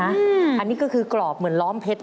อันนี้ก็คือกรอบเหมือนล้อมเพชร